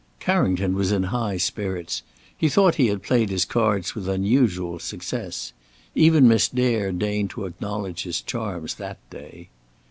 Carrington was in high spirits. He thought he had played his cards with unusual success. Even Miss Dare deigned to acknowledge his charms that day.